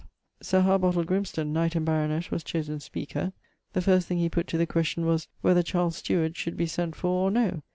Sir Harbottle Grimston, knight and baronet, was chosen Speaker. The first thing he putt to the question was, 'Whether CHARLES STEWARD should be sent for, or no?'